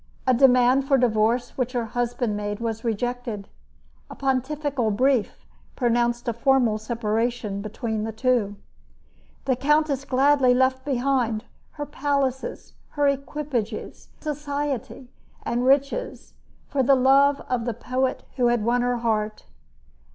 A demand for divorce which her husband made was rejected. A pontifical brief pronounced a formal separation between the two. The countess gladly left behind "her palaces, her equipages, society, and riches, for the love of the poet who had won her heart."